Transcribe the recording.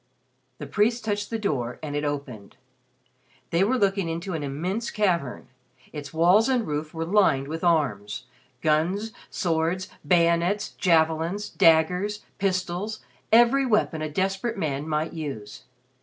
The priest touched the door, and it opened. They were looking into an immense cavern. Its walls and roof were lined with arms guns, swords, bayonets, javelins, daggers, pistols, every weapon a desperate man might use.